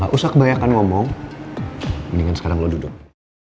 usah kebanyakan ngomong mendingan sekarang lo duduk